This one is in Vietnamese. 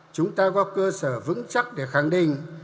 chúng ta có cơ sở vững chắc để khẳng định